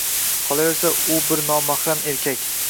Qolaversa, u bir nomahram erkak